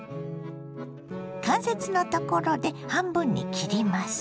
関節のところで半分に切ります。